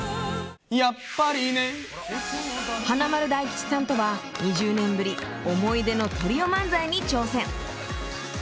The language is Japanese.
華丸・大吉さんとは２０年ぶり思い出のトリオ漫才に挑戦。